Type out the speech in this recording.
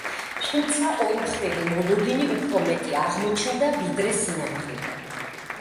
თუმცა ორმხრივი მოლოდინი უფრო მეტი აღმოჩნდა, ვიდრე სინამდვილე.